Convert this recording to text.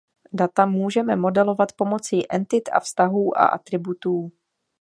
Data můžeme modelovat pomocí entit a vztahů a atributů.